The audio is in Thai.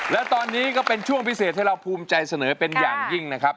และตอนนี้ก็เป็นช่วงพิเศษที่เราภูมิใจเสนอเป็นอย่างยิ่งนะครับ